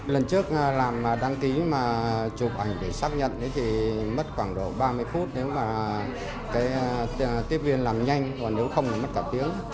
lần trước làm đăng ký mà chụp ảnh để xác nhận thì mất khoảng độ ba mươi phút nếu mà cái tiếp viên làm nhanh còn nếu không thì mất cả tiếng